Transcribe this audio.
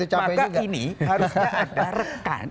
maka ini harusnya ada rekan